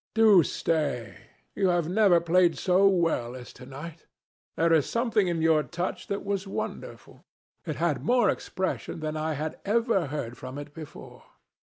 "Do stay. You have never played so well as to night. There was something in your touch that was wonderful. It had more expression than I had ever heard from it before."